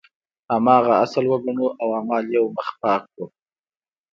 هماغه اصل وګڼو او اعمال یو مخ پاک کړو.